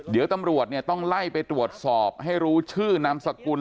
เดี๋ยวตำรวจเนี่ยต้องไล่ไปตรวจสอบให้รู้ชื่อนามสกุล